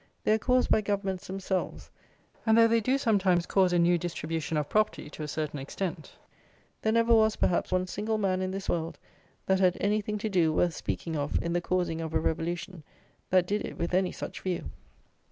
They are caused by Governments themselves; and though they do sometimes cause a new distribution of property to a certain extent, there never was, perhaps, one single man in this world that had anything to do, worth speaking of, in the causing of a revolution, that did it with any such view.